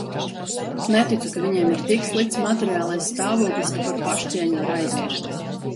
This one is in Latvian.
Neticu, ka viņiem ir tik slikts materiālais stāvoklis, ka par pašcieņu var aizmirst.